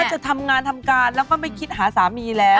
จะทำงานทำการแล้วก็ไม่คิดหาสามีแล้ว